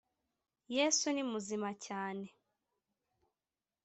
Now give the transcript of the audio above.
yesu ni muzima cyane